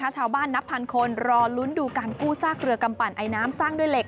นับพันคนรอลุ้นดูการกู้ซากเรือกำปั่นไอน้ำสร้างด้วยเหล็ก